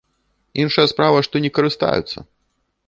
Іншая справа, што не карыстаюцца.